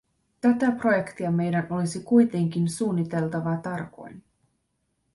Tätä projektia meidän olisi kuitenkin suunniteltava tarkoin.